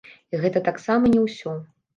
І гэта таксама не ўсё.